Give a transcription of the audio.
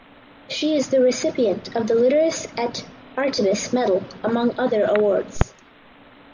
She is the recipient of the Litteris et Artibus medal among other awards.